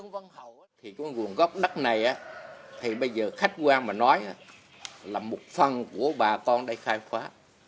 với nguồn gốc đất này thì bây giờ khách quan mà nói là một phần của bà con đây khai khóa